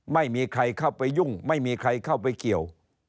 ไม่มีใครเข้าไปยุ่งไม่มีใครเข้าไปเกี่ยว